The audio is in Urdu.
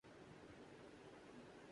اپنے اداریئے میں انہوں نے تحریر کیا تھا